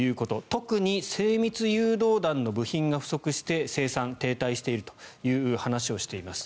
特に精密誘導弾の部品が不足して生産が停滞しているという話をしています。